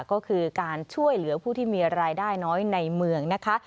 ก็คือการช่วยเหลือผู้ที่มีรายได้น้อยในเมืองนะคะ